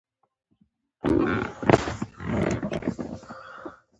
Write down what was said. دا رښتيا دي پلاره!